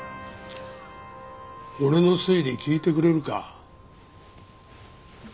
俺の推理聞いてくれるか？